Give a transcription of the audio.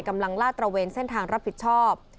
กำลังล่าตระเวนเส้นทางรับผิดชอบ